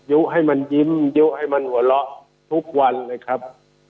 ยุให้มันยิ้มยุให้มันหัวเราะทุกวันเลยครับ